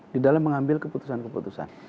di dalam mengambil keputusan keputusan